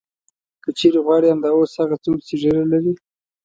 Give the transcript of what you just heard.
که چېرې غواړې همدا اوس هغه څوک چې ږیره لري.